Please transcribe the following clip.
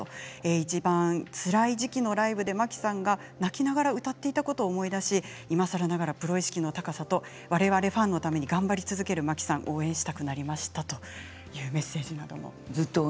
いちばんつらい時期のライブで摩季さんが泣きながら歌っていたことを思い出しいまさらながらプロ意識の高さとわれわれファンのために頑張り続ける摩季さん応援したくなりましたというメッセージ。